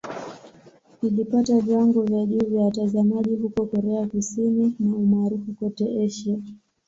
Ilipata viwango vya juu vya watazamaji huko Korea Kusini na umaarufu kote Asia.